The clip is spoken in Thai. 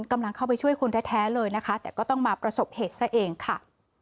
กำลังเข้าไปช่วยคุณแท้เลยนะคะแต่ก็ต้องมาประสบเหตุซะเองค่ะ